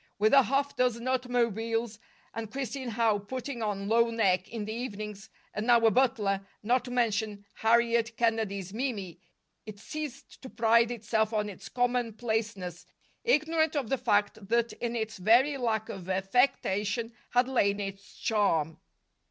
With a half dozen automobiles, and Christine Howe putting on low neck in the evenings, and now a butler, not to mention Harriet Kennedy's Mimi, it ceased to pride itself on its commonplaceness, ignorant of the fact that in its very lack of affectation had lain its charm.